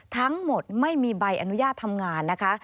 ทั้งหมดไม่มีใบอนุญาตทำงานนะคะ